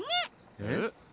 えっ？